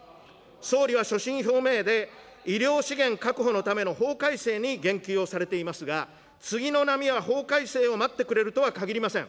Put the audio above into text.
総理は所信表明で、医療資源確保のための法改正に言及をされていますが、次の波は法改正を待ってくれるとはかぎりません。